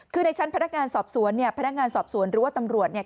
คือในชั้นพนักงานสอบสวนเนี่ยพนักงานสอบสวนหรือว่าตำรวจเนี่ย